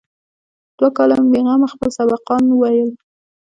دوه کاله مې بې غمه خپل سبقان وويل.